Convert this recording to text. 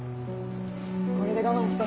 これで我慢して。